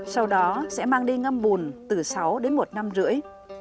sau đó sẽ mang đi ngâm bùn từ sáu đến một năm rưỡi